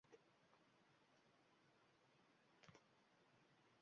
O‘g‘li holsiz osilib turgandi